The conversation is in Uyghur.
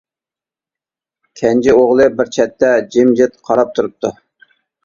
كەنجى ئوغلى بىر چەتتە جىمجىت قاراپ تۇرۇپتۇ.